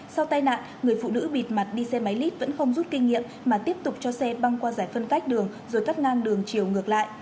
sau tai nạn người phụ nữ bịt mặt đi xe máy lit vẫn không rút kinh nghiệm mà tiếp tục cho xe băng qua giải phân cách đường rồi cắt ngang đường chiều ngược lại